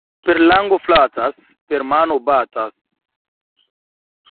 Per lango flatas, per mano batas.